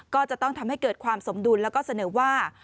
ก็จะต้องทำให้เกิดความสมดุลแล้วก็เสนอว่า